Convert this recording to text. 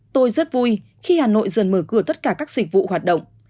tôi rất vui khi hà nội dần mở cửa tất cả các dịch vụ hoạt động